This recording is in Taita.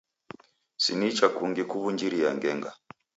Si n icha kungi kuw'unjiria ngenga.